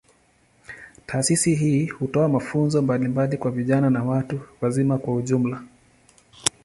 Taasisi hii hutoa mafunzo mbalimbali kwa vijana na watu wazima kwa ujumla.